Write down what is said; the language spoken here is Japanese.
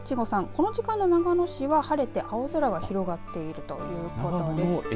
この時間の長野市は晴れて青空が広がっているということです。